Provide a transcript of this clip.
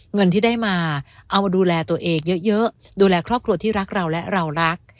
เงินที่ได้มาเอามาดูแลตัวเองเยอะดูแลครอบครัวที่รักเราและเรารัก